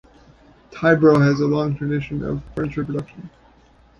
Tibro has a long tradition of furniture production.